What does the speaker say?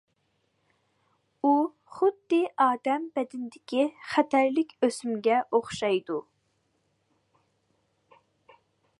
ئۇ خۇددى ئادەم بەدىنىدىكى خەتەرلىك ئۆسمىگە ئوخشايدۇ.